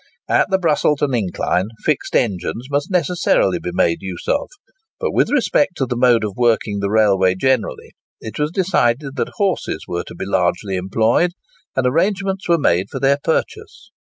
At the Brusselton incline, fixed engines must necessarily be made use of; but with respect to the mode of working the railway generally, it was decided that horses were to be largely employed, and arrangements were made for their purchase.